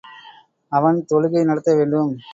அவன் தொழுகை நடத்த வேண்டும்.